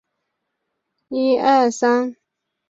陈式坦墓的历史年代为近代。